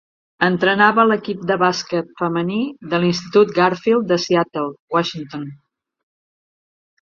Entrenava l'equip de bàsquet femení de l'Institut Garfield de Seattle, Washington.